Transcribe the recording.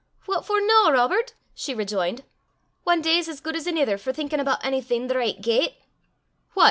"What for no, Robert?" she rejoined. "Ae day's as guid 's anither for thinkin' aboot onything the richt gait." "What!"